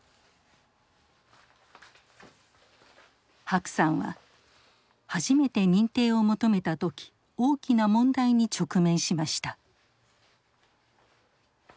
白さんは初めて認定を求めた時大きな問題に直面しました。